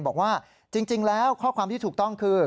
บอกว่าจริงแล้วข้อความที่ถูกต้องคือ